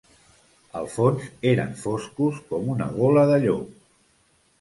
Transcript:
Al fons eren foscos com una gola de llop